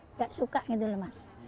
nggak suka gitu loh mas